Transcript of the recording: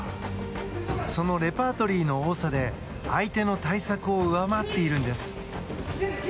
そのレパートリーの多さで相手の対策を上回っているんです。